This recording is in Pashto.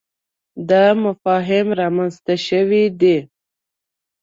دا مفاهیم رامنځته شوي دي.